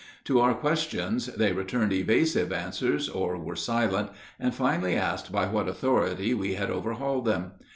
To our questions they returned evasive answers or were silent, and finally asked by what authority we had overhauled them.